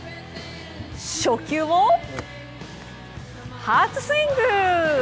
初球を初スイング！